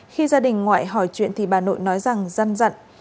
khi gia đình ngoại hỏi chuyện thì bà nội nói rằng răn rặn